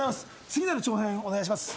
次なる挑戦お願いします